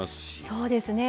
そうですね